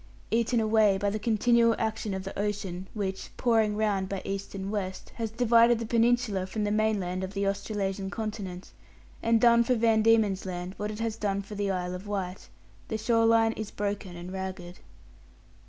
Eaten away by the continual action of the ocean which, pouring round by east and west, has divided the peninsula from the mainland of the Australasian continent and done for Van Diemen's Land what it has done for the Isle of Wight the shore line is broken and ragged.